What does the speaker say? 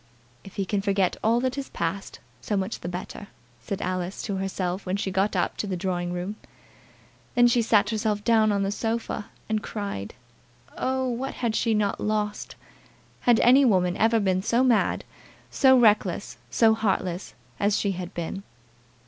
"If he can forget all that has passed, so much the better," said Alice to herself when she got up into the drawing room. Then she sat herself down on the sofa, and cried. Oh! what had she not lost! Had any woman ever been so mad, so reckless, so heartless as she had been!